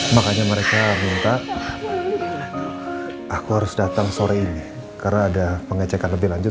makanya mereka minta aku harus datang sore ini karena ada pengecekan lebih lanjut